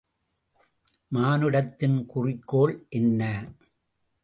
மானுடத்தின் குறிக்கோள் என்ன?